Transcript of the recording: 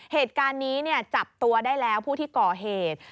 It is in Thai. เหตุการณ์นี้จับตัวได้แล้วผู้ที่ก่อเหตุ